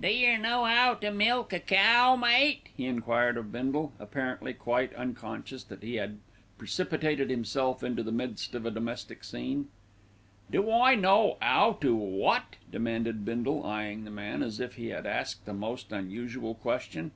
"D'yer know 'ow to milk a cow, mate?" he enquired of Bindle, apparently quite unconscious that he had precipitated himself into the midst of a domestic scene. "Do I know 'ow to wot?" demanded Bindle, eyeing the man as if he had asked a most unusual question.